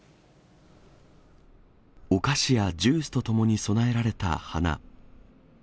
お菓子やジュースとともに供えられた花。